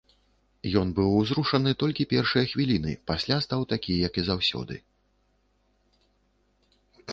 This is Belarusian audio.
Ён быў узрушаны толькі першыя хвіліны, пасля стаў такі, як і заўсёды.